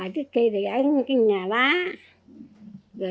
trước kia thì ở cái nhà đó